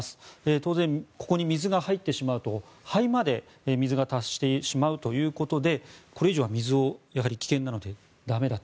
当然ここに水が入ってしまうと肺まで水が達してしまうということでこれ以上は水は危険なので駄目だと。